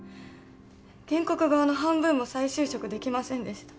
原告側の半分も再就職できませんでした。